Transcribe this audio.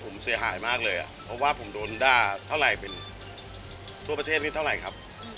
ผมเสียหายมากเลยเพราะว่าผมโดนด่าเท่าไหร่เป็นทั่วประเทศนี้เท่าไหร่ครับ